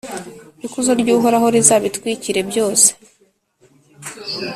Ikuzo ry’Uhoraho rizabitwikire byose,